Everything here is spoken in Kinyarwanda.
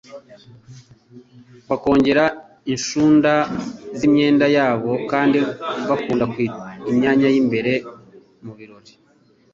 bakongera inshunda z'imyenda yabo, kandi bakunda imyanya y'imbere mu birori,